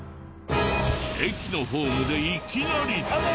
駅のホームでいきなり。